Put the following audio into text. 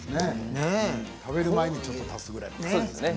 食べる前にちょっと足すぐらいだよね。